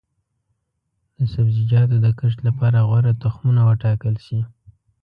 د سبزیجاتو د کښت لپاره غوره تخمونه وټاکل شي.